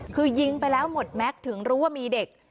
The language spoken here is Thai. คือยิงไปแล้วหมดแม็กซ์ถึงรู้ว่ามีเด็ก